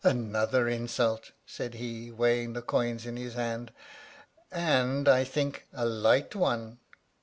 "Another insult!" said he, weighing the coins in his hand, "and, I think, a light one!"